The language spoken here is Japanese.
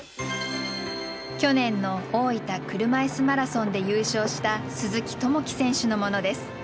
去年の大分車いすマラソンで優勝した鈴木朋樹選手のものです。